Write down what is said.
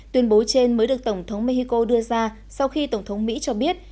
tuyên bố trên mới được tổng thống mexico đưa ra sau khi tổng thống mỹ cho biết